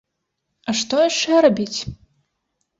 А што яшчэ рабіць?